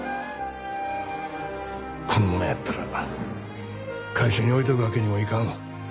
このままやったら会社に置いとくわけにもいかんわ。